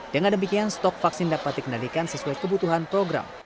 dengan demikian stok vaksin dapat dikendalikan sesuai kebutuhan program